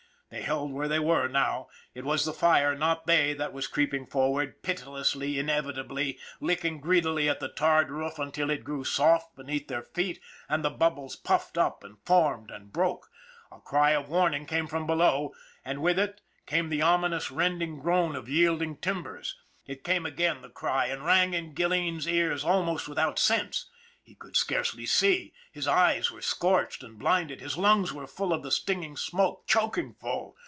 They held where they were now it was the fire, not they, that was creeping forward, pitilessly, inevitably, licking greedily at the tarred roof until it grew soft beneath their feet and the bubbles puffed up and formed and broke. A cry of warning came from below, and with it came the ominous rending groan of yielding timbers. It came again, the cry, and rang in Gilleen's ears al most without sense. He could scarcely see, his eyes were scorched and blinded, his lungs were full of the stinging smoke, choking full.